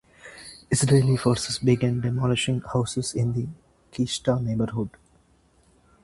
Israeli forces began demolishing houses in the Qishta neighborhood.